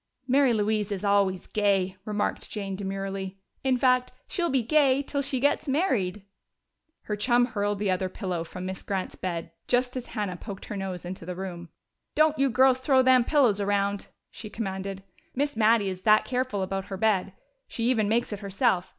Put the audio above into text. "Mary Louise is always 'Gay,'" remarked Jane demurely. "In fact, she'll be 'Gay' till she gets married." Her chum hurled the other pillow from Miss Grant's bed just as Hannah poked her nose into the room. "Don't you girls throw them pillows around!" she commanded. "Miss Mattie is that careful about her bed she even makes it herself.